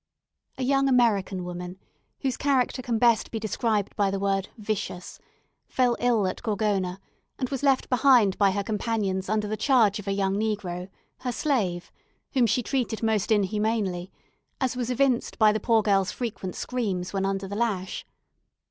A young American woman, whose character can be best described by the word "vicious," fell ill at Gorgona, and was left behind by her companions under the charge of a young negro, her slave, whom she treated most inhumanly, as was evinced by the poor girl's frequent screams when under the lash.